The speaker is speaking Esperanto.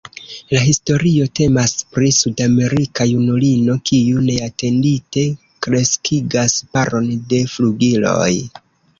La historio temas pri sudamerika junulino kiu neatendite kreskigas paron de flugiloj.